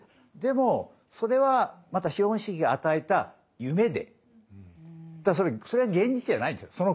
でもそれはまた資本主義が与えた夢でそれは現実じゃないんですよ。